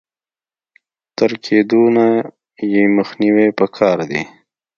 تر کېدونه يې مخنيوی په کار دی.